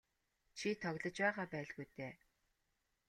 Чи тоглож байгаа байлгүй дээ.